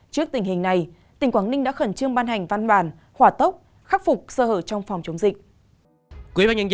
trước tình hình này tỉnh quảng ninh đã khẩn trương ban hành văn bản hỏa tốc khắc phục sơ hở trong phòng chống dịch